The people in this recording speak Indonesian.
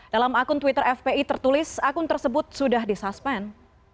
dalam akun twitter fpi tertulis akun tersebut sudah disuspend